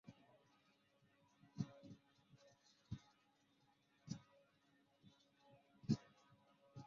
আবুল কাসেম ফজলুল হক ঢাকা বিশ্ববিদ্যালয়ের বাংলা বিভাগে দীর্ঘ চার দশক শিক্ষকতা করেছেন।